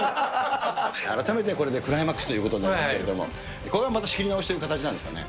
改めてこれでクライマックスということになりますけれども、これはまた仕切り直しという形なんでしょうかね。